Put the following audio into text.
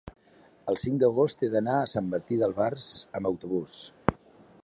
el cinc d'agost he d'anar a Sant Martí d'Albars amb autobús.